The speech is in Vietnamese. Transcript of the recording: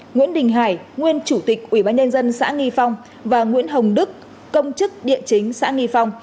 nguyễn đình hải nguyên chủ tịch ủy ban nhân dân xã nghi phong và nguyễn hồng đức công chức địa chính xã nghi phong